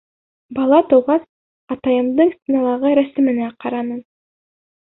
Бала тыуғас атайымдың стеналағы рәсеменә ҡараным.